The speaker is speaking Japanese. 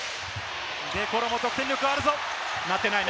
デ・コロも得点力がある。